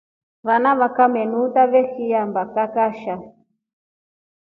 Vana vakame nuuta veshiamba kaakasha.